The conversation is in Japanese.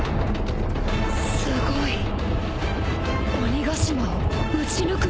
すごい鬼ヶ島を打ち抜く勢いだ。